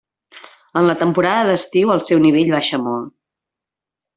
En la temporada d'estiu el seu nivell baixa molt.